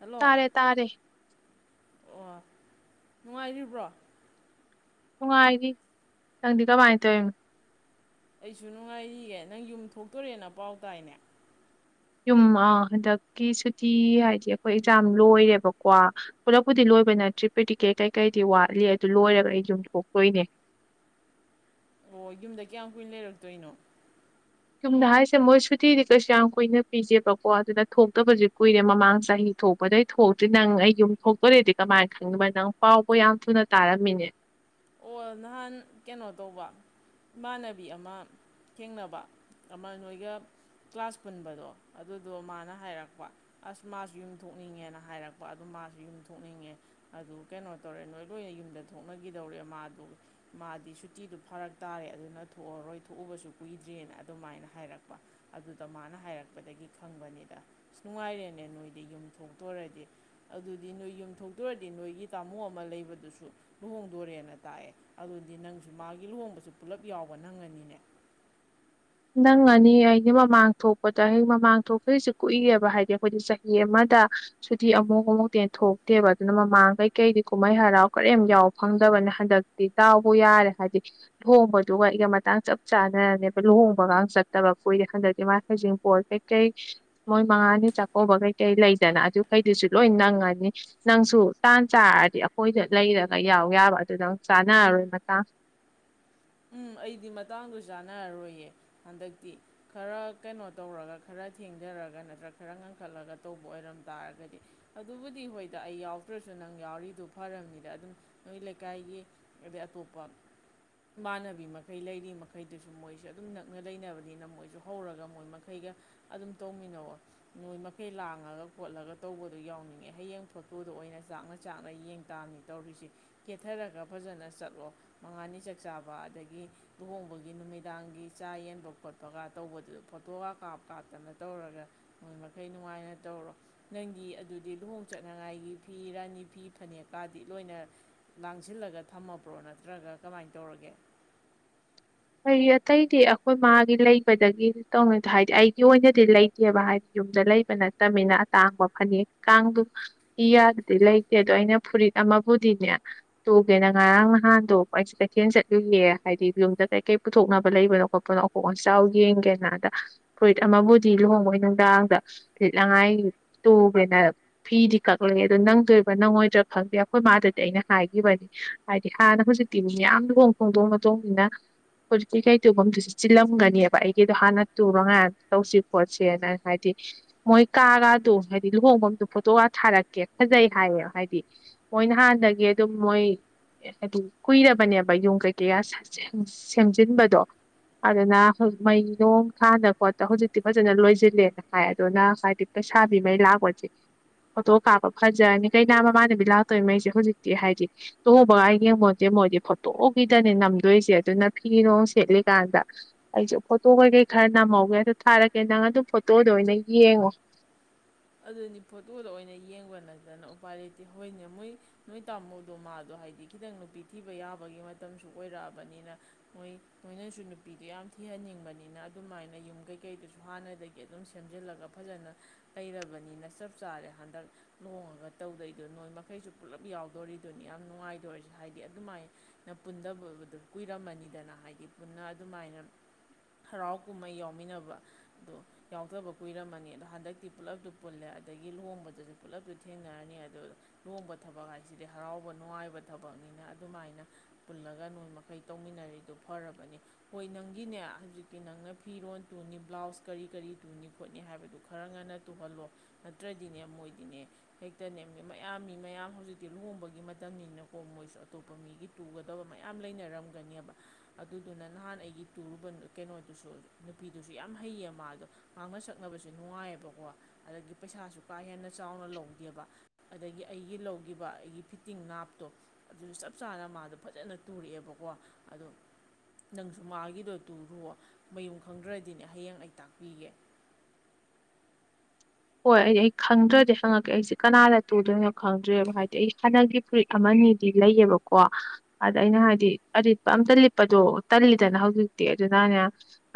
hello ꯇꯥꯔꯦ ꯇꯥꯔꯦ ꯑꯣ ꯅꯨꯡꯉꯥꯏꯔꯤꯕ꯭ꯔꯣ ꯅꯨꯡꯉꯥꯏꯔꯤ ꯅꯪꯗꯤ ꯀꯃꯥꯏ ꯇꯧꯔꯤ ꯑꯩꯁꯨ ꯅꯨꯡꯉꯥꯏꯔꯤꯌꯦ ꯅꯪ ꯌꯨꯝ ꯊꯣꯛꯇꯣꯔꯦꯅ ꯄꯥꯎ ꯇꯥꯏꯅꯦ ꯌꯨꯝ ꯍꯟꯗꯛꯀꯤ ꯁꯨꯇꯤ ꯍꯥꯏꯗꯤ ꯑꯈꯣꯏ ꯑꯦꯛꯖꯥꯝ ꯂꯣꯏꯔꯦꯕꯀꯣ ꯄꯨꯂꯞꯄꯨꯗꯤ ꯂꯣꯏꯕ ꯅꯠꯇ꯭ꯔꯤ ꯇꯤꯛꯀꯦꯠ ꯀꯩꯀꯩꯗꯤ ꯋꯥꯠꯂꯤ ꯑꯗꯨ ꯂꯣꯏꯔꯒ ꯑꯩ ꯌꯨꯝꯊꯣꯛꯇꯣꯏꯅꯦ ꯑꯣ ꯌꯨꯝꯗ ꯀꯌꯥꯝ ꯀꯨꯏꯅ ꯂꯩꯔꯛꯇꯣꯏꯅꯣ ꯌꯨꯝꯗ ꯍꯥꯏꯁꯦ ꯃꯣꯏ ꯁꯨꯇꯤꯗꯤ ꯀꯩꯁꯨ ꯌꯥꯝ ꯀꯨꯏꯅ ꯄꯤꯖꯦꯕꯀꯣ ꯑꯗꯨꯅ ꯊꯣꯛꯇꯕꯁ ꯀꯨꯏꯔꯦ ꯃꯃꯥꯡ ꯆꯍꯤ ꯊꯣꯛꯄꯗꯩ ꯊꯣꯛꯇ꯭ꯔꯤ ꯅꯪ ꯑꯩ ꯌꯨꯝ ꯊꯣꯛꯇꯣꯔꯦꯗꯤ ꯀꯃꯥꯏꯅ ꯈꯪꯏꯕ ꯅꯪ ꯄꯥꯎꯕ ꯌꯥꯝ ꯊꯨꯅ ꯇꯥꯔꯝꯃꯤꯅꯦ ꯑꯣ ꯅꯍꯥꯟ ꯀꯩꯅꯣ ꯇꯧꯕ ꯏꯃꯥꯟꯅꯕꯤ ꯑꯃ ꯊꯦꯡꯅꯕ ꯑꯃ ꯅꯣꯏꯒ ꯀ꯭ꯂꯥꯁ ꯄꯨꯟꯕꯗꯣ ꯑꯗꯨꯗꯣ ꯃꯥꯅ ꯍꯥꯏꯔꯛꯄ ꯑꯁ ꯃꯥꯁꯨ ꯌꯨꯝ ꯊꯣꯛꯅꯤꯡꯉꯦꯅ ꯍꯥꯏꯔꯛꯄ ꯑꯗꯨ ꯃꯥꯁꯨ ꯌꯨꯝ ꯊꯣꯛꯅꯤꯡꯉꯦ ꯑꯗꯨ ꯀꯩꯅꯣ ꯇꯧꯔꯦ ꯅꯣꯏ ꯂꯣꯏꯅ ꯌꯨꯝꯗ ꯊꯣꯛꯅꯈꯤꯗꯧꯔꯦ ꯃꯥꯗ ꯃꯥꯗꯤ ꯁꯨꯇꯤꯗꯨ ꯐꯔꯛ ꯇꯥꯔꯦ ꯑꯗꯨꯅ ꯊꯣꯛꯑꯔꯣꯏ ꯊꯣꯛꯎꯕꯁꯨ ꯀꯨꯏꯗ꯭ꯔꯦꯅ ꯑꯗꯨꯃꯥꯏꯅ ꯍꯥꯏꯔꯛꯄ ꯑꯗꯨꯗ ꯃꯥꯅ ꯍꯥꯏꯔꯛꯄꯗꯒꯤ ꯈꯪꯕꯅꯤꯗ ꯑꯁ ꯅꯨꯡꯉꯥꯏꯔꯦꯅꯦ ꯅꯣꯏꯗꯤ ꯌꯨꯝ ꯊꯣꯛꯇꯣꯔꯗꯤ ꯑꯗꯨꯗꯤ ꯅꯣꯏ ꯌꯨꯝ ꯊꯣꯛꯇꯣꯔꯗꯤ ꯅꯣꯏꯒꯤ ꯇꯥꯃꯣ ꯑꯃ ꯂꯩꯕꯗꯨꯁꯨ ꯂꯨꯍꯣꯡꯗꯣꯔꯦꯅ ꯇꯥꯛꯑꯦ ꯑꯗꯨ ꯑꯣꯏꯗꯤ ꯅꯪꯁꯨ ꯃꯥꯒꯤ ꯂꯨꯍꯣꯡꯕꯁꯨ ꯄꯨꯂꯞ ꯌꯥꯎꯕ ꯅꯪꯉꯅꯤꯅꯦ ꯅꯪꯉꯅꯤ ꯑꯩꯗꯤ ꯃꯃꯥꯡ ꯊꯣꯛꯄꯗ ꯑꯩ ꯃꯃꯥꯡ ꯊꯣꯛꯈꯔꯤꯁꯦ ꯀꯨꯏꯑꯦꯕ ꯍꯥꯏꯗꯤ ꯑꯈꯣꯏꯗꯤ ꯆꯍꯤ ꯑꯃꯗ ꯁꯨꯇꯤ ꯑꯃꯨꯛ ꯑꯃꯨꯛꯇꯩ ꯍꯦꯟꯅ ꯊꯣꯛꯇꯦꯕ ꯑꯗꯨꯅ ꯃꯃꯥꯡ ꯀꯩꯀꯩꯗꯤ ꯀꯨꯝꯍꯩ ꯍꯔꯥꯎ ꯀꯔꯤꯝ ꯌꯥꯎ ꯐꯪꯗꯕꯅ ꯍꯟꯗꯛꯇꯤ ꯗꯥꯎꯕꯨ ꯌꯥꯔꯦ ꯍꯥꯏꯕꯗꯤ ꯂꯨꯍꯣꯡꯕꯗꯨꯒ ꯑꯩꯒ ꯃꯇꯥꯡ ꯆꯞ ꯆꯥꯟꯅꯔꯅꯦꯕ ꯂꯨꯍꯣꯡ ꯄꯣꯒꯥꯝ ꯆꯠꯇꯕ ꯀꯨꯏꯔꯦ ꯍꯟꯗꯛꯇꯤ ꯃꯥ ꯍꯩꯖꯤꯡꯕꯣꯠ ꯀꯩꯀꯩ ꯃꯣꯏ ꯃꯉꯥꯅꯤ ꯆꯥꯛꯀꯧꯕ ꯀꯩꯀꯩ ꯂꯩꯗꯅ ꯑꯗꯨꯈꯩꯗꯨꯁꯨ ꯂꯣꯏ ꯅꯪꯉꯅꯤ ꯅꯪꯁꯨ ꯇꯥꯟ ꯆꯥꯔꯗꯤ ꯑꯈꯣꯏꯗ ꯂꯩꯔꯒ ꯌꯥꯎ ꯌꯥꯕ ꯑꯗꯨꯗꯪ ꯆꯥꯅꯔꯔꯣꯏ ꯃꯇꯥꯡ ꯎꯝ ꯑꯩꯗꯤ ꯃꯇꯥꯡꯗꯨ ꯆꯥꯟꯅꯔꯔꯣꯏꯌꯦ ꯍꯟꯗꯛꯇꯤ ꯈꯔ ꯀꯩꯅꯣ ꯇꯧꯔꯒ ꯈꯔ ꯊꯦꯡꯊꯔꯒ ꯅꯠꯇ꯭ꯔꯒ ꯈꯔ ꯉꯟꯈꯠꯂꯒ ꯇꯧꯕ ꯑꯣꯏꯔꯝ ꯇꯥꯔꯒꯗꯤ ꯑꯗꯨꯕꯨꯗꯤ ꯍꯣꯏꯗ ꯑꯩ ꯌꯥꯎꯗ꯭ꯔꯁꯨ ꯅꯪ ꯌꯥꯎꯔꯤꯗꯣ ꯐꯔꯕꯅꯤꯗ ꯑꯗꯨꯝ ꯅꯣꯏ ꯂꯩꯀꯥꯏꯒꯤ ꯑꯗꯩ ꯑꯇꯣꯞꯄ ꯏꯃꯥꯟꯅꯕꯤ ꯃꯈꯩ ꯂꯩꯔꯤ ꯃꯈꯩꯗꯨꯁꯨ ꯃꯣꯏꯁꯨ ꯑꯗꯨꯝ ꯅꯛꯅ ꯂꯩꯅꯕꯅꯤꯅ ꯃꯣꯏꯁꯨ ꯍꯧꯔꯒ ꯃꯣꯏ ꯃꯈꯩꯒ ꯑꯗꯨꯝ ꯇꯧꯃꯤꯟꯅꯑꯣ ꯅꯣꯏ ꯃꯈꯩ ꯂꯥꯡꯉꯒ ꯈꯣꯠꯂꯒ ꯇꯧꯕꯗꯣ ꯌꯥꯎꯅꯤꯡꯉꯦ ꯍꯌꯦꯡ ꯐꯣꯇꯣꯗꯣ ꯑꯣꯏꯅ ꯆꯥꯛꯅ ꯆꯥꯛꯅ ꯌꯦꯡ ꯇꯥꯅꯤ ꯇꯧꯔꯤꯁꯦ ꯀꯦꯊꯔꯒ ꯐꯖꯅ ꯆꯠꯂꯣ ꯃꯉꯥꯅꯤ ꯆꯀ ꯆꯥꯛ ꯆꯥꯕ ꯑꯗꯒꯤ ꯂꯨꯍꯣꯡꯕꯒꯤ ꯅꯨꯃꯤꯗꯥꯡꯒꯤ ꯆꯥ ꯌꯦꯟꯕ ꯈꯣꯠꯄꯒ ꯇꯧꯕꯗꯨꯗ ꯐꯣꯇꯣꯒ ꯀꯥꯞ ꯀꯥꯞꯇꯅ ꯇꯧꯔꯒ ꯃꯣꯏ ꯃꯈꯩ ꯅꯨꯡꯉꯥꯏꯅ ꯇꯧꯔꯣ ꯅꯪꯒꯤ ꯑꯗꯨꯗꯤ ꯂꯨꯍꯣꯡ ꯆꯅꯉꯥꯏꯒꯤ ꯐꯤ ꯔꯥꯅꯤ ꯐꯤ ꯐꯅꯦꯛꯀꯗꯤ ꯂꯣꯏꯅ ꯂꯥꯡꯁꯤꯜꯂꯒ ꯊꯝꯃꯕ꯭ꯔꯣ ꯅꯠꯇ꯭ꯔꯒ ꯀꯃꯥꯏꯅ ꯇꯣꯔꯒꯦ ꯍꯩ ꯑꯇꯩꯗꯤ ꯑꯈꯣꯏ ꯃꯥꯒꯤ ꯂꯩꯕꯗꯒꯤ ꯇꯧꯅꯤꯗꯣ ꯍꯥꯏꯗꯤ ꯑꯩꯒꯤ ꯑꯣꯏꯅꯗꯤ ꯂꯩꯇꯦꯕ ꯍꯥꯏꯗꯤ ꯌꯨꯝꯗ ꯂꯩꯕ ꯅꯠꯇꯕꯅꯤꯅ ꯑꯇꯥꯡꯕ ꯐꯅꯦꯛ ꯀꯥꯡꯗꯨ ꯏꯌꯥꯗꯗꯤ ꯂꯩꯇꯦ ꯑꯗꯨꯗꯣ ꯑꯩꯅ ꯐꯨꯔꯤꯠ ꯑꯃꯕꯨꯗꯤꯅꯦ ꯇꯨꯒꯦꯅ ꯉꯔꯥꯡ ꯅꯍꯥꯟꯗꯣ ꯑꯩꯁꯨ ꯀꯩꯊꯦꯜ ꯆꯠꯂꯨꯌꯦ ꯍꯥꯏꯗꯤ ꯌꯨꯝꯗ ꯀꯩ ꯀꯩ ꯄꯨꯊꯣꯛꯅꯕ ꯂꯩꯕꯅꯣ ꯈꯣꯠꯄꯅꯣ ꯑꯍꯣꯡ ꯑꯆꯥꯎ ꯌꯦꯡꯒꯦꯅ ꯑꯗ ꯐꯨꯔꯤꯠ ꯑꯃꯕꯨꯗꯤ ꯂꯨꯍꯣꯡꯉꯣꯏ ꯅꯨꯡꯗꯥꯡꯗ ꯂꯤꯠꯅꯉꯥꯏ ꯇꯨꯒꯦꯅ ꯐꯤꯗꯤ ꯀꯛꯂꯛ ꯑꯗꯣ ꯅꯪꯗꯣꯏꯕ꯭ꯔꯥ ꯅꯪꯉꯣꯏꯗ꯭ꯔꯥ ꯈꯪꯗꯦ ꯑꯩꯈꯣꯏ ꯃꯥꯗꯗꯤ ꯑꯩꯅ ꯍꯥꯏꯈꯤꯕꯅꯤ ꯍꯥꯏꯗꯤ ꯍꯥꯟꯅ ꯍꯧꯖꯤꯛꯇꯤ ꯌꯥꯝ ꯂꯨꯍꯣꯡ ꯈꯣꯡꯗꯣꯡ ꯃꯇꯣꯡꯅꯤꯅ ꯍꯧꯖꯤꯛ ꯀꯩꯀꯩ ꯇꯨꯐꯝꯗꯨꯁꯨ ꯆꯤꯜꯂꯝꯒꯅꯦꯕ ꯑꯩꯒꯤꯗꯣ ꯍꯥꯟꯅ ꯇꯨꯔꯉꯥꯏꯅ ꯇꯧꯁꯤ ꯈꯣꯠꯁꯤꯅ ꯍꯥꯏꯗꯤ ꯃꯣꯏ ꯀꯥꯒꯗꯣ ꯍꯥꯏꯗꯤ ꯂꯨꯍꯣꯡꯐꯝꯗꯣ ꯐꯣꯇꯣꯒ ꯊꯥꯔꯛꯀꯦ ꯐꯖꯩ ꯍꯥꯏꯌꯦ ꯍꯥꯏꯗꯤ ꯃꯣꯏ ꯅꯍꯥꯟꯗꯒꯤ ꯑꯗꯨꯝ ꯃꯣꯏ ꯍꯥꯏꯗꯤ ꯀꯨꯏꯔꯕꯅꯦꯕ ꯌꯨꯝ ꯀꯩꯀꯩꯒ ꯁꯦꯝꯖꯤꯟꯕꯗꯣ ꯑꯗꯨꯅ ꯃꯩ ꯅꯣꯡ ꯊꯥꯅ ꯈꯣꯠꯇ ꯍꯧꯖꯤꯛꯇꯤ ꯐꯖꯅ ꯂꯣꯏꯁꯤꯜꯂꯦꯅ ꯍꯥꯏ ꯑꯗꯨꯅ ꯍꯥꯏꯗꯤ ꯄꯩꯁꯥꯕꯤꯉꯩ ꯂꯥꯛꯄꯁꯦ ꯐꯣꯇꯣ ꯀꯥꯞꯄ ꯐꯖꯔꯅꯤ ꯀꯩꯅꯥ ꯃꯃꯥꯟꯅꯕꯤ ꯂꯥꯛꯇꯣꯏꯉꯩꯁꯦ ꯍꯧꯖꯤꯛꯇꯤ ꯍꯥꯏꯗꯤ ꯂꯨꯍꯣꯡꯕꯒ ꯌꯦꯡꯄꯣꯠꯇꯦ ꯃꯣꯏꯗꯤ ꯐꯣꯇꯣꯒꯤꯗꯅꯦ ꯅꯝꯗꯣꯏꯁꯦ ꯑꯗꯨꯅ ꯐꯤ ꯅꯨꯡ ꯁꯦꯠꯂꯤꯀꯥꯟꯗ ꯑꯩꯁꯨ ꯐꯣꯇꯣ ꯀꯩꯀꯩ ꯈꯔ ꯅꯝꯍꯧꯒꯦ ꯑꯗꯨ ꯊꯥꯔꯛꯀꯦ ꯅꯪ ꯑꯗꯨꯝ ꯐꯣꯇꯣꯗꯣ ꯑꯣꯏꯅ ꯌꯦꯡꯉꯣ ꯑꯗꯨꯅꯤ ꯐꯣꯇꯣꯗ ꯑꯣꯏꯅ ꯌꯦꯡꯕ ꯅꯠꯇꯅ ꯎꯄꯥꯏ ꯂꯩꯇꯦ ꯍꯣꯏꯅꯦ ꯃꯣꯏ ꯅꯣꯏ ꯇꯥꯃꯣꯗꯣ ꯃꯥꯗꯣ ꯍꯥꯏꯗꯤ ꯈꯤꯇꯪ ꯅꯨꯄꯤ ꯊꯤꯕ ꯌꯥꯕꯒꯤ ꯃꯇꯝꯁꯨ ꯑꯣꯏꯔꯛꯑꯕꯅꯤꯅ ꯃꯣꯏ ꯅꯣꯏꯅꯁꯨ ꯅꯨꯄꯤꯗꯣ ꯌꯥꯝ ꯊꯤꯍꯟꯅꯤꯡꯕꯅꯤꯅ ꯑꯗꯨꯃꯥꯏꯅ ꯌꯨꯝ ꯀꯩꯀꯩꯗꯨꯁꯨ ꯍꯥꯟꯅꯗꯒꯤ ꯑꯗꯨꯝ ꯁꯦꯝꯖꯤꯜꯂꯒ ꯐꯖꯅ ꯂꯩꯔꯕꯅꯤꯅ ꯆꯞ ꯆꯥꯔꯦ ꯍꯟꯗꯛ ꯂꯣꯡꯉꯒ ꯇꯧꯗꯣꯏꯔꯤꯗꯣ ꯅꯣꯏ ꯃꯈꯩꯁꯨ ꯄꯨꯂꯞ ꯌꯥꯎꯗꯣꯔꯤꯗꯨꯅꯤ ꯌꯥꯝ ꯅꯨꯡꯉꯥꯏꯗꯣꯔꯤꯁꯦ ꯍꯥꯏꯗꯤ ꯑꯗꯨꯃꯥꯏꯅ ꯄꯨꯟꯗꯕꯕꯗꯨ ꯀꯨꯏꯔꯝꯃꯅꯤꯗꯅ ꯍꯥꯏꯗꯤ ꯄꯨꯟꯅ ꯑꯗꯨꯃꯥꯏꯅ ꯍꯔꯥꯎ ꯀꯨꯝꯍꯩ ꯌꯥꯎꯃꯤꯟꯅꯕ ꯑꯗꯣ ꯌꯥꯎꯗꯕ ꯀꯨꯏꯔꯝꯃꯅꯤ ꯑꯗꯣ ꯍꯟꯗꯛꯇꯤ ꯄꯨꯜꯂꯞꯇꯨ ꯄꯨꯜꯂꯦ ꯑꯗꯒꯤ ꯂꯨꯣꯡꯕꯗꯁꯨ ꯄꯨꯜꯂꯞꯇꯨ ꯊꯦꯡꯅꯔꯅꯤ ꯑꯗꯨ ꯂꯨꯍꯣꯡꯕ ꯊꯕꯛ ꯍꯥꯏꯁꯤꯗꯤ ꯍꯔꯥꯎꯕ ꯅꯨꯡꯉꯥꯏꯕ ꯊꯕꯛꯅꯤꯅ ꯑꯗꯨꯃꯥꯏꯅ ꯄꯨꯜꯂꯒ ꯅꯣꯏ ꯃꯈꯩ ꯇꯧꯃꯤꯟꯅꯔꯤꯗꯣ ꯐꯔꯕꯅꯤ ꯍꯣꯏ ꯅꯪꯒꯤꯅꯦ ꯍꯧꯖꯤꯛꯇꯤ ꯅꯪꯅ ꯐꯤꯔꯣꯜ ꯇꯨꯅꯤ ꯕ꯭ꯂꯥꯎꯁ ꯀꯔꯤ ꯀꯔꯤ ꯇꯨꯅꯤ ꯈꯣꯠꯅꯤ ꯍꯥꯏꯕꯗꯨ ꯈꯔ ꯉꯟꯅ ꯇꯨꯍꯜꯂꯣ ꯅꯠꯇ꯭ꯔꯗꯤꯅꯦ ꯃꯣꯏꯗꯤꯅꯦ ꯍꯦꯛꯇꯅꯦ ꯃꯌꯥꯝ ꯃꯤ ꯃꯌꯥꯝ ꯍꯧꯖꯤꯛꯇꯤ ꯂꯨꯍꯣꯡꯕꯒꯤ ꯃꯇꯝꯅꯤꯅꯀꯣ ꯃꯣꯏꯁꯨ ꯑꯇꯣꯞꯄ ꯃꯤꯒꯤ ꯄꯨꯒꯗꯕ ꯃ ꯌꯥꯝ ꯂꯩꯅꯔꯝꯒꯅꯦꯕ ꯑꯗꯨꯗꯨꯅ ꯅꯍꯥꯟ ꯑꯩꯒꯤ ꯇꯨꯔꯨꯕ ꯀꯩꯅꯣꯗꯨꯁꯨ ꯅꯨꯄꯤꯗꯨꯁꯨ ꯌꯥꯝ ꯍꯩꯌꯦ ꯃꯥꯗꯣ ꯉꯥꯡꯅ ꯁꯛꯅꯕꯁꯦ ꯅꯨꯡꯉꯥꯏꯌꯦꯕꯀꯣ ꯑꯗꯒꯤ ꯄꯩꯁꯥꯁꯨ ꯀꯥ ꯍꯦꯟꯅ ꯆꯥꯎꯅ ꯂꯧꯗꯦꯕ ꯑꯗꯒꯤ ꯑꯩꯒꯤ ꯂꯧꯈꯤꯕ ꯑꯩꯒꯤ ꯐꯤꯠꯇꯤꯡ ꯅꯥꯞꯇꯣ ꯑꯗꯨꯁꯨ ꯆꯞ ꯆꯥꯅ ꯃꯥꯗꯣ ꯐꯖꯅ ꯇꯨꯔꯛꯑꯦꯕꯀꯣ ꯑꯗꯣ ꯅꯪꯁꯨ ꯃꯥꯒꯤꯗꯣ ꯇꯨꯔꯣ ꯃꯌꯨꯝ ꯈꯪꯗ꯭ꯔꯗꯤꯅꯦ ꯍꯌꯦꯡ ꯑꯩ ꯇꯥꯛꯄꯤꯒꯦ ꯍꯣꯏ ꯑꯩ ꯑꯩ ꯈꯪꯗ꯭ꯔꯗꯤ ꯍꯪꯉꯛꯀꯦ ꯑꯩꯁꯦ ꯀꯅꯥꯗ ꯇꯨꯗꯣꯏꯅꯣ ꯈꯪꯗ꯭ꯔꯔꯤꯦꯕ ꯍꯥꯏꯗꯤ ꯑꯩ ꯍꯥꯟꯅꯒꯤ ꯐꯨꯔꯤꯠ ꯑꯃꯅꯤꯗꯤ ꯂꯩꯌꯦꯕꯀꯣ ꯑꯗ ꯑꯩꯅ ꯍꯥꯏꯗꯤ ꯑꯔꯤꯠꯄ ꯑꯝꯇ ꯂꯤꯠꯄꯗꯣ ꯇꯜꯂꯤꯗꯅ ꯍꯧꯖꯤꯛꯇꯤ ꯑꯗꯨꯅꯅꯦ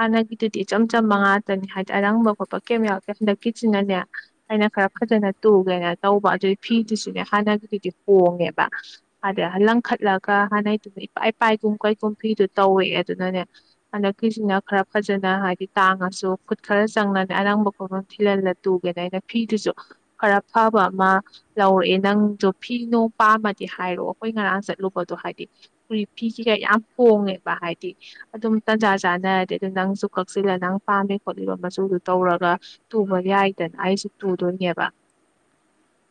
ꯍꯥꯟꯅꯒꯤꯗꯨꯗꯤ ꯏꯆꯝ ꯆꯝꯕ ꯉꯥꯛꯇꯅꯤ ꯍꯥꯏꯗꯤ ꯑꯔꯪꯕ ꯈꯣꯠꯄ ꯀꯩꯝ ꯌꯥꯎꯔꯛꯇꯦ ꯍꯟꯗꯛꯀꯤ ꯁꯤꯅꯅꯦ ꯑꯩꯅ ꯈꯔ ꯐꯖꯅ ꯇꯨꯒꯦꯅ ꯇꯧꯕ ꯑꯗꯨꯒꯤ ꯐꯤꯗꯨꯁꯨꯅꯦ ꯍꯥꯟꯅꯒꯤꯗꯨꯗꯤ ꯍꯣꯡꯉꯦꯕ ꯍꯥꯏꯗ ꯂꯪꯈꯠꯂꯒ ꯍꯥꯟꯅꯒꯤꯗꯨꯅ ꯏꯄꯥ ꯏꯄꯥꯏꯒꯨꯝ ꯀꯩꯒꯨꯝ ꯐꯤꯗꯨ ꯇꯧꯋꯦꯑꯦ ꯑꯗꯨꯅꯅꯦ ꯍꯟꯗꯛꯀꯤꯁꯤꯅ ꯈꯔ ꯐꯖꯅ ꯍꯥꯏꯗꯤ ꯇꯥꯡꯉꯁꯨ ꯈꯨꯠ ꯈꯔ ꯆꯪꯅꯅꯦ ꯑꯅꯪꯕ ꯈꯣꯠꯐꯝ ꯏꯤꯜꯍꯜꯂ ꯇꯨꯒꯦꯅ ꯑꯩꯅ ꯐꯤꯗꯨꯁꯨ ꯈꯔ ꯐꯕ ꯑꯃ ꯂꯧꯔꯛꯑꯦ ꯅꯪꯁꯨ ꯐꯤꯅꯣ ꯄꯥꯝꯃꯗꯤ ꯍꯥꯏꯔꯛꯑꯣ ꯑꯈꯣꯏ ꯉꯔꯥꯡ ꯆꯠꯂꯨꯕꯗꯣ ꯍꯥꯏꯗꯤ ꯍ ꯐꯤ ꯀꯀ ꯌꯥꯝ ꯍꯣꯡꯉꯦꯕ ꯍꯥꯏꯗꯤ ꯑꯗꯨꯝ ꯇꯟꯖꯥ ꯆꯥꯅꯔꯗꯤ ꯑꯗꯨ ꯅꯪꯁꯨ ꯀꯛꯁꯤꯜꯂ ꯅꯪ ꯄꯥꯝꯃꯤ ꯈꯣꯠꯂꯤꯕ ꯃꯆꯨꯗꯨ ꯇꯧꯔꯒ ꯇꯨꯕ ꯌꯥꯏꯗꯅ ꯑꯩꯁꯦ ꯇꯨꯗꯣꯏꯅꯦꯕ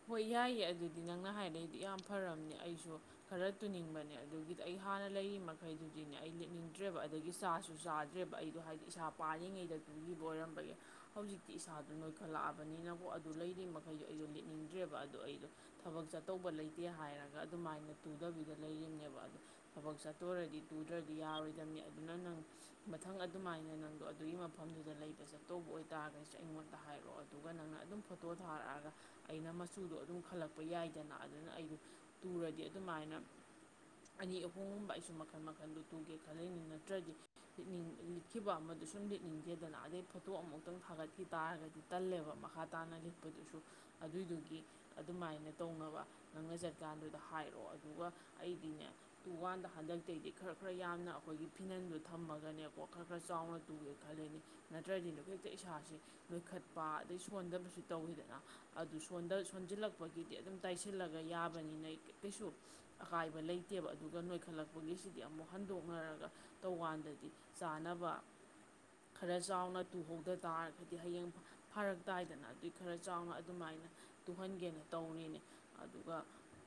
ꯍꯣꯏ ꯌꯥꯏꯌꯦ ꯑꯗꯨꯗꯤ ꯅꯪꯅ ꯍꯥꯏꯗꯤ ꯑꯩꯗꯤ ꯌꯥꯝ ꯐꯔꯕꯅꯦ ꯑꯩꯁꯨ ꯈꯔ ꯇꯨꯅꯤꯡꯕꯅꯦ ꯑꯗꯨꯒꯤꯗꯤ ꯑꯩ ꯍꯥꯟꯅ ꯂꯩꯔꯤ ꯃꯈꯩꯗꯨꯗꯤꯅꯦ ꯑꯩ ꯂꯤꯠꯅꯤꯡꯗ꯭ꯔꯦꯕ ꯑꯗꯒꯤ ꯆꯥꯁꯨ ꯆꯥꯗ꯭ꯔꯦꯕ ꯑꯩꯗꯣ ꯍꯥꯏꯗꯤ ꯏꯁꯥ ꯄꯥꯔꯤꯉꯩꯗ ꯇꯨꯈꯤꯕ ꯑꯣꯏꯔꯝꯕꯒꯤ ꯍꯧꯖꯤꯛꯇꯤ ꯏꯁꯥꯗꯣ ꯅꯣꯏꯈꯠꯂꯛꯑꯕꯅꯤꯅꯀꯣ ꯑꯗꯨ ꯂꯩꯔꯤ ꯃꯈꯩꯗꯣ ꯑꯩꯗꯣ ꯂꯤꯠꯅꯤꯡ ꯗ꯭ꯔꯦꯕ ꯑꯗꯣ ꯑꯩꯗꯣ ꯊꯕꯛ ꯆꯠꯇꯧꯕ ꯂꯩꯇꯦ ꯍꯥꯏꯔꯒ ꯑꯗꯨꯃꯥꯏꯅ ꯇꯨꯗꯕꯤꯗ ꯂꯩꯔꯤꯅꯦꯕ ꯑꯗꯣ ꯊꯕꯛ ꯆꯠꯇꯨꯔꯗꯤ ꯇꯨꯗ꯭ꯔꯗꯤ ꯌꯥꯔꯣꯏꯗꯕꯅꯤ ꯑꯗꯨꯅ ꯅꯪ ꯃꯊꯪ ꯑꯗꯨꯃꯥꯏꯅ ꯅꯪꯗꯣ ꯑꯗꯨꯒꯤ ꯃꯐꯝꯗꯨꯗ ꯂꯩꯕ ꯆꯠꯇꯧꯕ ꯑꯣꯏꯇꯥꯔꯒꯁꯨ ꯑꯩꯉꯣꯟꯗ ꯍꯥꯏꯔꯛꯑꯣ ꯑꯗꯨꯒ ꯅꯪꯅ ꯑꯗꯨꯝ ꯐꯣꯇꯣ ꯊꯥꯔꯛꯑꯒ ꯑꯩꯅ ꯃꯆꯨꯗꯣ ꯑꯗꯨꯝ ꯈꯜꯂꯛꯄ ꯌꯥꯏꯗꯅ ꯑꯗꯨꯅ ꯑꯩꯗꯣ ꯇꯨꯔꯗꯤ ꯑꯗꯨꯃꯥꯏꯅ ꯑꯅꯤ ꯑꯍꯨꯝꯒꯨꯝꯕ ꯑꯩꯁꯨ ꯃꯈꯜ ꯃꯈꯜꯗꯨ ꯇꯨꯒꯦ ꯈꯜꯂꯤꯅꯤ ꯅꯠꯇ꯭ꯔꯗꯤ ꯂꯤꯠꯅꯤꯡ ꯂꯤꯠꯈꯤꯕ ꯑꯃꯗ ꯁꯨꯝ ꯂꯤꯠꯅꯤꯡꯗꯦꯗꯅ ꯑꯗꯩ ꯐꯣꯇꯣ ꯑꯃꯨꯛꯇꯪ ꯊꯥꯒꯠꯈꯤ ꯇꯥꯔꯒꯗꯤ ꯇꯜꯂꯦꯕ ꯃꯈꯥ ꯇꯥꯅ ꯂꯤꯠꯄꯗꯨꯁꯨ ꯑꯗꯨꯏꯗꯨꯒꯤ ꯑꯗꯨꯃꯥꯏꯅ ꯇꯧꯅꯕ ꯅꯪꯅ ꯆꯠꯀꯥꯟꯗꯨꯗ ꯍꯥꯏꯔꯛꯑꯣ ꯑꯗꯨꯒ ꯑꯩꯗꯤꯅꯦ ꯇꯨꯋꯥꯟꯗ ꯍꯟꯗꯛꯇꯒꯤꯗꯤ ꯈꯔ ꯈꯔ ꯌꯥꯝꯅ ꯑꯩꯈꯣꯏꯒꯤ ꯐꯤꯅꯟꯗꯣ ꯊꯝꯃꯒꯅꯦꯀꯣ ꯈꯔ ꯈꯔ ꯆꯥꯎꯅ ꯇꯨꯒꯦ ꯈꯜꯂꯤꯅꯤ ꯅꯠꯇ꯭ꯔꯗꯤꯅ ꯍꯦꯛꯇ ꯏꯁꯥꯥꯁꯦ ꯅꯣꯏꯈꯠꯄ ꯑꯗꯩ ꯁꯣꯟꯗꯕꯁꯨ ꯇꯧꯋꯤꯗꯅ ꯑꯗꯨ ꯁꯣꯟꯖꯤꯜꯂꯛꯄꯒꯤꯗꯤ ꯑꯗꯨꯝ ꯇꯥꯏꯁꯤꯜꯂꯒ ꯌꯥꯕꯅꯤꯅ ꯀꯩꯁꯨ ꯑꯀꯥꯏꯕ ꯂꯩꯇꯦꯕ ꯑꯗꯨꯒ ꯅꯣꯏꯈꯠꯂꯛꯄꯒꯤꯁꯤꯗꯤ ꯑꯃꯨꯛ ꯍꯟꯗꯣꯛꯅꯔꯒ ꯇꯧꯀꯥꯟꯗꯗꯤ ꯆꯥꯅꯕ ꯈꯔ ꯆꯥꯎꯅ ꯇꯨꯍꯧꯗ ꯇꯥꯔꯒꯗꯤ ꯍꯌꯦꯡ ꯐꯔꯛꯛꯇꯥꯏꯗꯅ ꯑꯗꯨꯏ ꯈꯔ ꯆꯥꯎꯅ ꯑꯗꯨꯃꯥꯏꯅ ꯇꯨꯍꯟꯒꯦꯅ ꯇꯧꯔꯤꯅꯦ ꯑꯗꯨꯒ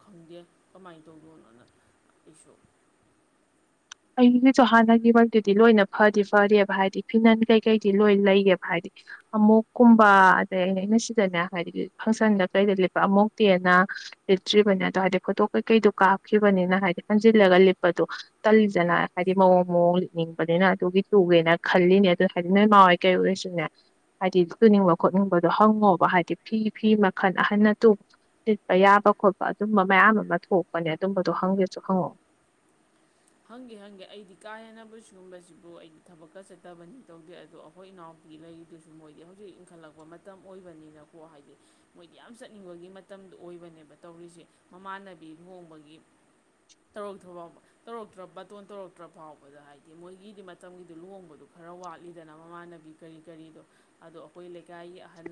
ꯈꯪꯗꯦ ꯀꯃꯥꯏꯅ ꯇꯧꯗꯣꯏꯅꯣꯅ ꯑꯩꯁꯨ ꯑꯩꯒꯤꯁꯨ ꯍꯥꯟꯅꯒꯤꯃꯛꯇꯨꯗꯤ ꯂꯣꯏꯅ ꯐꯗꯤ ꯐꯔꯕ ꯍꯥꯏꯗꯤ ꯐꯤꯅꯟ ꯀꯩꯀꯩꯗꯤ ꯂꯣꯏ ꯂꯩꯌꯦꯕ ꯍꯥꯏꯗꯤ ꯑꯃꯨꯛꯀꯨꯝꯕ ꯑꯗꯩ ꯑꯩꯅ ꯑꯩꯅ ꯁꯤꯗꯅꯦ ꯍꯥꯏꯗꯤ ꯐꯪꯁꯟꯗ ꯀꯩꯗ ꯂꯤꯠꯄ ꯑꯃꯨꯛꯇꯦꯅ ꯂꯤꯠꯇ꯭ꯔꯤꯕꯅꯦ ꯑꯗꯣ ꯍꯥꯏꯗꯤ ꯐꯣꯇꯣ ꯀꯩꯀꯩꯗꯣ ꯀꯥꯞꯈꯤꯕꯅꯤꯅ ꯍꯥꯏꯗꯤ ꯍꯟꯖꯤꯜꯂꯒ ꯂꯤꯠꯄꯗꯣ ꯐꯖꯅ ꯍꯥꯏꯗꯤ ꯃꯑꯣꯡ ꯃꯑꯣꯡ ꯂꯤꯠꯅꯤꯡꯕꯅꯤꯅ ꯑꯗꯨꯒꯤ ꯇꯨꯒꯦꯅ ꯈꯜꯂꯤꯅꯦ ꯑꯗꯨ ꯍꯥꯏꯗꯤ ꯅꯣꯏꯃꯥ ꯍꯣꯏ ꯀꯩ ꯑꯣꯏꯔꯁꯨꯅꯦ ꯍꯥꯏꯗꯤ ꯇꯨꯅꯤꯡꯕ ꯈꯣꯠꯅꯤꯡꯕꯗꯣ ꯍꯪꯉꯣꯕ ꯍꯥꯏꯗꯤ ꯐꯤ ꯐꯤ ꯃꯈꯜ ꯑꯍꯟꯅ ꯇꯨ ꯂꯤꯠꯄ ꯌꯥꯕ ꯈꯣꯠꯄ ꯑꯗꯨꯝꯕ ꯃꯌꯥꯝ ꯑꯃ ꯊꯣꯛꯄꯅꯦ ꯑꯗꯨꯝꯕꯗꯣ ꯍꯪꯒꯦꯁꯨ ꯍꯪꯉꯣ ꯍꯪꯒꯦ ꯍꯪꯒꯦ ꯑꯩꯗꯤ ꯀꯥ ꯍꯦꯟꯅꯕꯨ ꯁꯤꯒꯨꯝꯕꯁꯤꯕꯨ ꯑꯩꯗꯤ ꯊꯕꯛꯀ ꯆꯠꯇꯕꯅꯤ ꯇꯧꯗꯦ ꯑꯗꯣ ꯑꯩꯈꯣꯏ ꯏꯅꯥꯎꯄꯤ ꯂꯩꯔꯤꯗꯨꯁꯨ ꯃꯣꯏꯗꯤ ꯍꯧꯖꯤꯛ ꯏꯟꯈꯠꯂꯛꯄ ꯃꯇꯝ ꯑꯣꯏꯕꯅꯤꯅꯀꯣ ꯍꯥꯏꯗꯤ ꯃꯣꯏꯗꯤ ꯌꯥꯝ ꯆꯠꯅꯤꯡꯕꯒꯤ ꯃꯇꯝꯗꯣ ꯑꯣꯏꯕꯅꯦꯕ ꯇꯧꯔꯤꯁꯦ ꯃꯃꯥꯟꯅꯕꯤ ꯂꯨꯣꯡꯕꯒꯤ ꯇꯧꯔꯛꯇ ꯐꯥꯎꯕ ꯇꯧꯔꯛꯇ꯭ꯔ ꯕꯇꯣꯟ ꯇꯧꯔꯛꯇ꯭ꯔ ꯐꯥꯎꯕꯗ ꯍꯥꯏꯗꯤ ꯃꯣꯏꯒꯤꯗꯤ ꯃꯇꯝꯒꯤꯗꯨ ꯂꯨꯍꯣꯡꯕꯗꯣ ꯈꯔ ꯋꯥꯠꯂꯤꯗꯅ ꯃꯃꯥꯟꯅꯕꯤ ꯀꯔꯤ ꯀꯔꯤꯗꯣ ꯑꯗꯣ ꯑꯈꯣꯏ ꯂꯩꯀꯥꯏꯒꯤ ꯑꯍꯟ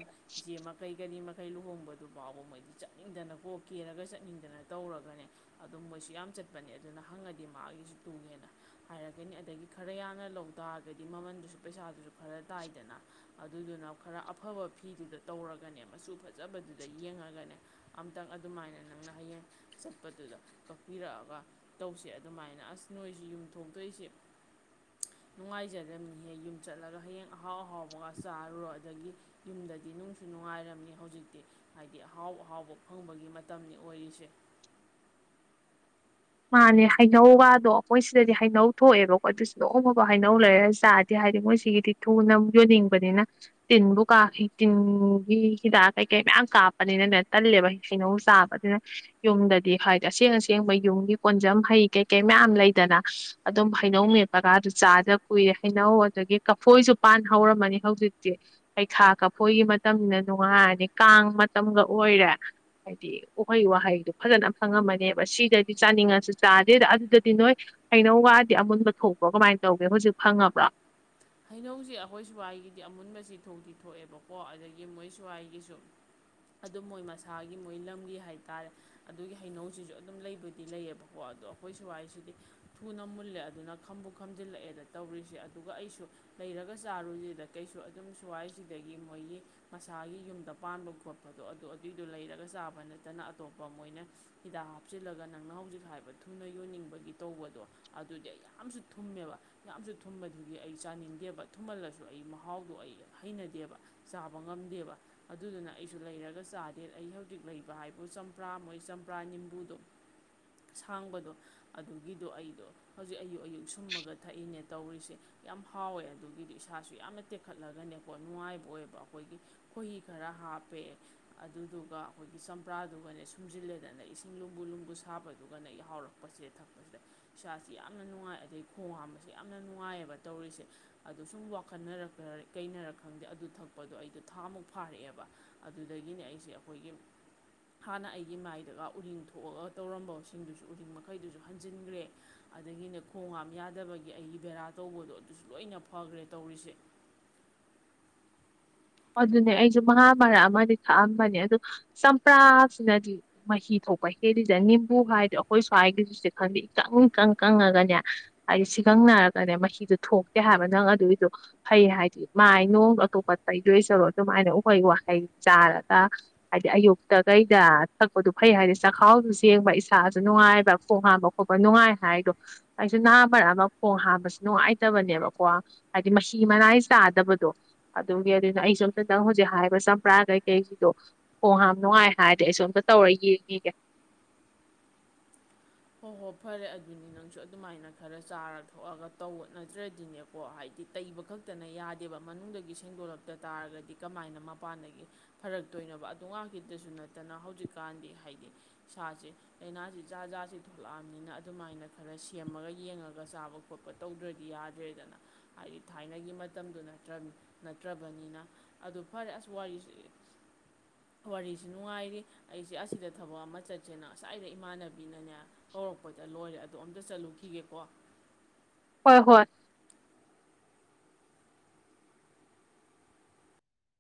ꯌꯦꯃ ꯀꯩꯒꯅꯤ ꯀꯩ ꯂꯨꯍꯣꯡꯕꯗꯨ ꯐꯥꯎꯕ ꯃꯣꯏꯗꯤ ꯆꯠꯅꯤꯡꯗꯅꯀꯣ ꯀꯦꯔꯒ ꯆꯠꯅꯤꯡꯗꯅ ꯇꯧꯔꯒꯅꯦ ꯑꯗꯨꯝ ꯃꯣꯏꯁꯨ ꯌꯥꯝ ꯆꯠꯄꯅꯦ ꯑꯗꯨꯅ ꯍꯪꯉꯗꯤ ꯗꯤ ꯃꯥꯒꯤꯁꯨ ꯇꯨꯡꯉꯦꯅ ꯍꯥꯏꯔꯛꯀꯅꯤ ꯑꯗꯒꯤ ꯈꯔ ꯌꯥꯅ ꯂꯧ ꯇꯥꯔꯒꯗꯤ ꯃꯃꯟꯗꯨꯁꯨ ꯄꯩꯁꯥꯗꯨꯁꯨ ꯐꯔ ꯇꯥꯏꯗꯅ ꯑꯗꯨꯗꯨꯅ ꯈꯔ ꯑꯐꯕ ꯐꯤꯗꯨꯗ ꯇꯧꯔꯒꯅꯦ ꯃꯆꯨ ꯐꯖ ꯐꯠꯆꯕꯗꯨꯗ ꯌꯦꯡꯉꯒꯅꯦ ꯑꯝꯇꯪ ꯑꯗꯨꯃꯥꯏꯅ ꯅꯪꯅ ꯍꯌꯦꯡ ꯆꯠꯄꯗꯨꯗ ꯀꯛꯄꯤꯔꯛꯑꯒ ꯇꯧꯁꯤ ꯑꯗꯨꯃꯥꯏꯅ ꯑꯁ ꯅꯣꯏꯁꯤ ꯌꯨꯝ ꯊꯣꯛꯇꯣꯛꯏꯁꯦ ꯅꯨꯡꯉꯥꯏꯖꯗꯕꯅꯤꯍꯦ ꯌꯨꯝ ꯆꯠꯂꯒ ꯍꯌꯦꯡ ꯑꯍꯥꯎ ꯑꯍꯥꯎꯕꯒ ꯆꯥꯔꯨꯔꯣ ꯑꯗꯒꯤ ꯌꯨꯝꯗꯗꯤ ꯅꯨꯡꯁꯨ ꯅꯨꯡꯉꯥꯏꯔꯝꯅꯤ ꯍꯧꯖꯤꯛꯇꯤ ꯍꯥꯏꯗꯤ ꯑꯍꯥꯎ ꯑꯍꯥꯎꯕ ꯐꯪꯕꯒꯤ ꯃꯇꯝꯅꯤ ꯑꯣꯏꯔꯤꯁꯦ ꯃꯥꯅꯦ ꯍꯩꯅꯧꯒꯗꯣ ꯑꯩꯈꯣꯏ ꯁꯤꯗꯗꯤ ꯍꯩꯅꯧ ꯊꯣꯛꯑꯦꯕꯀꯣ ꯑꯗꯨꯁꯨ ꯅꯣꯡꯝꯃꯕ ꯍꯩꯅꯧ ꯂꯩꯔꯒ ꯆꯥꯔꯗꯤ ꯍꯥꯏꯗꯤ ꯃꯣꯏꯁꯤꯒꯤꯗꯤ ꯊꯨꯅ ꯌꯣꯟꯅꯤꯡꯕꯅꯤꯅ ꯇꯤꯟꯕꯨ ꯀꯥꯈꯤ ꯇꯤꯟꯒꯤ ꯍꯤꯗꯥꯛ ꯀꯩꯀꯩ ꯃꯌꯥꯝ ꯀꯥꯞꯄꯅꯤꯅꯅꯦ ꯇꯜꯂꯦꯕ ꯍꯩꯅꯧ ꯆꯥꯕꯗꯨꯅ ꯌꯨꯝꯗꯗꯤ ꯍꯥꯏꯗꯤ ꯑꯁꯦꯡ ꯑꯁꯦꯡꯕ ꯌꯨꯝꯒꯤ ꯀꯣꯟꯖꯝ ꯍꯩ ꯀꯩꯀꯩ ꯃꯌꯥꯝ ꯂꯩꯗꯅ ꯑꯗꯨꯝ ꯍꯩꯅꯧ ꯃꯦꯠꯄꯀꯥꯗꯨ ꯆꯥꯗ ꯀꯨꯏꯔꯦ ꯍꯩꯅꯧ ꯑꯗꯒꯤ ꯀꯐꯣꯏꯁꯨ ꯄꯥꯟ ꯍꯧꯔꯝꯃꯅꯤ ꯍꯧꯖꯤꯛꯇꯤ ꯍꯩꯈꯥ ꯀꯐꯣꯏꯒꯤ ꯃꯇꯝꯅꯤꯅ ꯅꯨꯡꯉꯥꯏꯔꯅꯤ ꯀꯥꯡ ꯃꯇꯝꯒ ꯑꯣꯏꯔꯦ ꯍꯥꯏꯗꯤ ꯎꯍꯩ ꯋꯥꯍꯩꯗꯨꯣ ꯐꯖꯅ ꯈꯪꯉꯝꯃꯅꯦꯕ ꯁꯤꯗꯗꯤ ꯆꯥꯅꯤꯡꯉꯁꯨ ꯆꯥꯗꯦꯗ ꯑꯗꯨꯗꯗꯤ ꯅꯣꯏ ꯍꯩꯅꯧ ꯋꯥꯗꯤ ꯑꯃꯨꯟꯕ ꯊꯣꯛꯄ꯭ꯔꯣ ꯀꯃꯥꯏꯅ ꯇꯧꯒꯦ ꯍꯧꯖꯤꯛ ꯐꯪꯉꯕ꯭ꯔꯣ ꯍꯩꯅꯧꯁꯤ ꯑꯩꯈꯣꯏ ꯁ꯭ꯋꯥꯏꯒꯤꯗꯤ ꯑꯃꯨꯟꯕꯁꯤ ꯊꯣꯛꯇꯤ ꯊꯣꯛꯑꯦꯕꯀꯣ ꯑꯗꯒꯤ ꯃꯣꯏ ꯁ꯭ꯋꯥꯏꯒꯤꯁꯨ ꯑꯗꯨꯝ ꯃꯣꯏ ꯃꯁꯥꯒꯤ ꯃꯣꯏ ꯂꯝꯒꯤ ꯍꯥꯏ ꯇꯔꯦ ꯑꯗꯨꯒꯤ ꯍꯩꯅꯧꯁꯤꯁꯨ ꯑꯗꯨꯝ ꯂꯩꯕꯗꯤ ꯂꯩꯌꯦꯕꯀꯣ ꯑꯗꯣ ꯑꯩꯈꯣꯏ ꯁ꯭ꯋꯥꯏꯁꯤꯗꯤ ꯊꯨꯅ ꯃꯨꯜꯂꯦ ꯑꯗꯨꯅ ꯈꯝꯕꯨ ꯈꯝꯖꯤꯜꯂꯛꯑꯦꯅ ꯇꯧꯔꯤꯁꯦ ꯑꯗꯨꯒ ꯑꯩꯁꯨ ꯂꯩꯔꯒ ꯆꯥꯔꯨꯁꯤꯗ ꯀꯩꯁꯨ ꯑꯗꯨꯝ ꯁ꯭ꯋꯥꯏꯁꯤꯗꯒꯤ ꯃꯣꯏꯒꯤ ꯃꯁꯥꯒꯤ ꯌꯨꯝꯗ ꯄꯥꯟꯕ ꯈꯣꯠꯄꯗꯣ ꯑꯗꯨ ꯑꯗꯨꯏꯗꯣ ꯂꯩꯔꯒ ꯆꯥꯕ ꯅꯠꯇꯅ ꯑꯇꯣꯞꯄ ꯃꯣꯏꯅ ꯍꯤꯗꯥꯛ ꯍꯥꯞꯆꯤꯜꯂꯒ ꯅꯪꯅ ꯍꯧꯖꯤꯛ ꯍꯥꯏꯕ ꯊꯨꯅ ꯌꯣꯟꯅꯤꯡꯕꯒꯤ ꯇꯧꯕꯗꯣ ꯑꯗꯨꯗꯤ ꯑꯩ ꯌꯥꯝꯁꯨ ꯊꯨꯝꯃꯦꯕ ꯌꯥꯝꯁꯨ ꯊꯨꯝꯕꯗꯨꯒꯤ ꯑꯩꯁꯦ ꯆꯥꯅꯤꯡꯗꯦꯕ ꯊꯨꯝꯍꯜꯂꯁꯨ ꯑꯩ ꯃꯍꯥꯎꯗꯣ ꯑꯩ ꯍꯩꯅꯗꯦꯕ ꯆꯥꯕ ꯉꯝꯗꯦꯕ ꯑꯗꯨꯗꯨꯅ ꯑꯩꯁꯨ ꯂꯩꯔꯒ ꯆꯥꯗꯦ ꯑꯩ ꯍꯧꯖꯤꯛ ꯂꯩꯕ ꯍꯥꯏꯕꯨ ꯆꯝꯄ꯭ꯔꯥ ꯃꯣꯏ ꯆꯝꯄ꯭ꯔꯥ ꯅꯤꯝꯕꯨꯗꯣ ꯁꯥꯡꯕꯗꯣ ꯑꯗꯨꯒꯤꯗꯣ ꯑꯩꯗꯣ ꯍꯧꯖꯤꯛ ꯑꯌꯨꯛ ꯑꯌꯨꯛ ꯁꯨꯝꯃꯒ ꯊꯛꯏꯅꯦ ꯇꯧꯔꯤꯁꯦ ꯌꯥꯝ ꯍꯥꯎꯋꯦ ꯑꯗꯨꯒꯤꯗꯤ ꯏꯁꯥꯁꯨ ꯌꯥꯝꯅ ꯇꯦꯛꯈꯠꯂꯒꯅꯦꯀꯣ ꯅꯨꯡꯉꯥꯏꯕ ꯑꯣꯏꯕ ꯑꯩꯈꯣꯏꯒꯤ ꯈꯣꯏꯍꯤ ꯈꯔ ꯍꯥꯞꯄꯦꯦ ꯑꯗꯨꯗꯨꯒ ꯑꯩꯈꯣꯏꯒꯤ ꯆꯝꯄ꯭ꯔꯥꯗꯨꯒꯅꯦ ꯁꯨꯝꯖꯤꯜꯂꯦꯗꯅ ꯏꯁꯤꯡ ꯂꯨꯝꯕꯨ ꯂꯨꯝꯕꯨ ꯁꯥꯕꯗꯨꯒꯅꯍꯥꯎꯔꯛꯄꯁꯤꯦ ꯊꯛꯄꯁꯤꯗ ꯏꯁꯥꯁꯤ ꯌꯥꯝꯅ ꯅꯨꯡꯉꯥꯏ ꯑꯗꯩ ꯈꯣꯡ ꯍꯥꯝꯕꯁ ꯌꯥꯝꯅ ꯅꯨꯡꯉꯥꯏꯌꯦꯕ ꯇꯧꯔꯤꯁꯦ ꯑꯗꯨꯗꯣ ꯁꯨꯝ ꯋꯥꯈꯠꯅꯔ ꯀꯩꯅꯔ ꯈꯪꯗꯦ ꯑꯗꯨ ꯊꯛꯄꯗꯣ ꯑꯩꯗꯣ ꯊꯥꯃꯨꯛ ꯐꯥꯔꯛꯑꯦꯕ ꯑꯗꯨꯗꯒꯤꯅꯦ ꯑꯩꯁꯦ ꯑꯩꯈꯣꯏꯒꯤ ꯍꯥꯟꯅ ꯑꯩꯒꯤ ꯃꯥꯏꯗꯒ ꯎꯔꯤꯡ ꯊꯣꯛꯑꯒ ꯇꯧꯔꯝꯕꯁꯤꯡꯗꯨꯁꯨ ꯎꯔꯤꯡ ꯃꯈꯩꯗꯨꯁꯨ ꯍꯟꯖꯤꯟꯈ꯭ꯔꯦ ꯑꯗꯒꯤꯅꯦ ꯈꯣꯡ ꯍꯥꯝ ꯌꯥꯗꯕꯒꯤ ꯑꯩꯒꯤ ꯕꯦꯔꯥ ꯇꯧꯕꯗꯣ ꯑꯗꯨꯁꯨ ꯂꯣꯏꯅ ꯐꯈ꯭ꯔꯦ ꯇꯧꯔꯤꯁꯦ ꯑꯗꯨꯅꯦ ꯑꯩꯁꯨ ꯃꯍꯥ ꯃꯔꯛ ꯑꯃꯗꯤ ꯊꯛꯑꯝꯕꯅꯦ ꯑꯗꯨ ꯆꯝꯄ꯭ꯔꯥꯁꯤꯅꯗꯤ ꯃꯍꯤ ꯊꯣꯛꯄ ꯍꯦꯜꯂꯤꯗ ꯅꯤꯝꯕꯨ ꯍꯥꯏꯗꯤꯣ ꯑꯩꯈꯣꯏ ꯁ꯭ꯋꯥꯏꯒꯤꯁꯤꯁ ꯈꯪꯗꯦ ꯏꯀꯪ ꯏꯀꯪ ꯀꯪꯉꯒꯅꯦ ꯍꯥꯏꯗꯤ ꯁꯤꯒꯪꯅꯔꯒꯅꯦ ꯃꯍꯤꯗꯣ ꯊꯣꯛꯇꯦ ꯍꯥꯏꯕ ꯅꯪ ꯑꯗꯨꯏꯗꯣ ꯐꯩ ꯍꯥꯏꯗꯤ ꯃꯥꯏ ꯅꯣꯡ ꯑꯇꯣꯞꯄ ꯇꯩꯗꯣꯏ ꯆꯔꯣ ꯑꯗꯨꯝꯥꯏꯅ ꯎꯍꯩ ꯋꯥꯍꯩ ꯆꯥꯔꯒ ꯍꯥꯏꯗꯤ ꯑꯌꯨꯛꯇ ꯀꯩꯗ ꯊꯛꯄꯗ ꯐꯩ ꯍꯥꯏꯗꯤ ꯆꯥꯛꯈꯥꯎꯁꯨ ꯁꯦꯡꯕ ꯏꯁꯥꯁꯨ ꯅꯨꯡꯉꯥꯏꯕ ꯈꯣꯡ ꯍꯥꯝꯕ ꯈꯣꯠꯄ ꯅꯨꯡꯉꯥꯏ ꯍꯥꯏꯗꯣ ꯑꯩꯁꯨ ꯍꯃꯔꯛ ꯑꯃ ꯈꯣꯡ ꯍꯥꯝꯕꯁꯨ ꯅꯨꯡꯉꯥꯏꯇꯕꯅꯦꯕꯀꯣ ꯍꯥꯏꯗꯤ ꯃꯍꯤ ꯃꯅꯥꯏ ꯆꯥꯗꯕꯗꯣ ꯑꯗꯨꯒꯤ ꯑꯗꯨꯅ ꯑꯩ ꯁꯁꯣꯝꯇ ꯅꯪ ꯍꯧꯖꯤꯛ ꯍꯥꯏꯔꯤꯕ ꯆꯝꯄ꯭ꯔꯥꯗꯩꯀꯩꯁꯤꯗꯣ ꯈꯣꯡ ꯍꯥꯝ ꯅꯨꯡꯉꯥꯏ ꯍꯥꯏꯔꯗꯤ ꯑꯩ ꯁꯣꯝꯇ ꯇꯧꯔ ꯌꯦꯡꯉꯒꯦ ꯑꯣꯍꯣ ꯐꯔꯦ ꯑꯗꯨꯅꯤ ꯅꯪꯁꯨ ꯑꯗꯨꯃꯥꯏꯅ ꯈꯔ ꯆꯥꯔ ꯊꯣꯛꯑꯒ ꯇꯧꯕ ꯅꯠꯇ꯭ꯔꯗꯤꯅꯦꯀꯣ ꯍꯥꯏꯗꯤ ꯇꯩꯕ ꯈꯛꯇꯅ ꯌꯥꯗꯦꯕ ꯃꯅꯨꯡꯗꯒꯤ ꯁꯦꯡꯗꯣꯛꯂꯛꯇ ꯇꯥꯔꯒꯗꯤ ꯀꯃꯥꯏꯅ ꯃꯄꯥꯟꯗꯒꯤ ꯐꯔꯛꯇꯣꯏꯅꯣꯕ ꯑꯗꯨ ꯉꯥꯛꯇꯗꯁꯨ ꯅꯠꯇꯅ ꯍꯧꯖꯤꯛꯀꯥꯟꯗꯤ ꯍꯥꯏꯗꯤ ꯁꯥꯁꯤꯦ ꯂꯥꯏꯅꯥꯁꯤ ꯥ ꯥꯁꯤ ꯊꯣꯛꯂꯛꯑꯕꯅꯤꯅ ꯑꯗꯨꯃꯥꯏꯅ ꯈꯔ ꯁꯦꯝꯃꯒ ꯌꯦꯡꯉꯒ ꯆꯥꯕ ꯈꯣꯠꯄ ꯇꯧꯗ꯭ꯔꯗꯤ ꯌꯥꯗ꯭ꯔꯦꯗꯅ ꯍꯥꯏꯗꯤ ꯊꯥꯏꯅꯒꯤ ꯃꯇꯝꯗꯨꯣ ꯅꯠꯇ꯭ꯔ ꯅꯠꯇ꯭ꯔꯕꯅꯤꯅ ꯑꯗꯨ ꯐꯔꯦ ꯑꯁ ꯋꯥꯔꯤꯁꯤ ꯋꯥꯔꯤꯁꯤ ꯅꯨꯡꯉꯥꯏꯔꯤ ꯑꯩꯁꯦ ꯑꯁꯤꯗ ꯊꯕꯛ ꯑꯃ ꯆꯠꯁꯦꯅ ꯑꯁꯋꯥꯏꯗ ꯏꯃꯥꯟꯅꯕꯤꯅꯅꯦ ꯍꯧꯧꯔꯛꯄꯗ ꯂꯣꯏꯔꯦ ꯑꯗꯨ ꯑꯗꯣ ꯑꯝꯇ ꯆꯠꯂꯨꯈꯤꯒꯦꯀꯣ ꯍꯣꯏ ꯍꯣꯏ